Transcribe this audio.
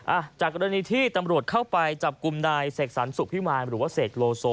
อ้าจากกรรณีที่ตำรวจเข้าไปจับกุมนายเศกศัลสุภิมานหรือว่าเศกโลโซ